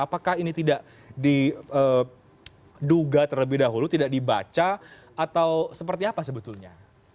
apakah ini tidak diduga terlebih dahulu tidak dibaca atau seperti apa sebetulnya